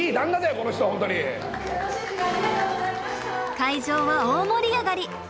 会場は大盛り上がり！